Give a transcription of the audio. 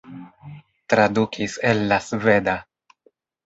Tradukis el la sveda.